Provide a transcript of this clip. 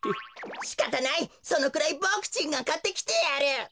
しかたないそのくらいボクちんがかってきてやる。